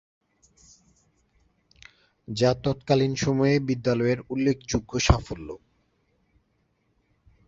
যা তৎকালীন সময়ে বিদ্যালয়ের উল্লেখযোগ্য সাফল্য।